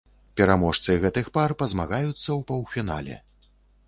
Пераможцы гэтых пар пазмагаюцца ў паўфінале.